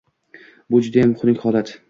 Bu – judayam xunuk holat.